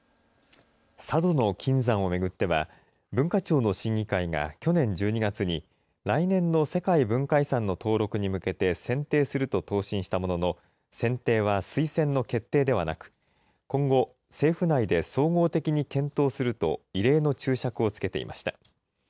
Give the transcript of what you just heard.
佐渡島の金山を巡っては、文化庁の審議会が去年１２月に、来年の世界文化遺産の登録に向けて選定すると答申したものの、選定は推薦の決定ではなく、今後、政府内で総合的に検討すると異例の注釈をつけていました。